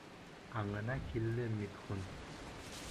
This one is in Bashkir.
Аңына килде Митхун.